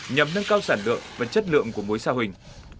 nhằm nâng cao sản lượng và chất lượng của mối sa huỳnh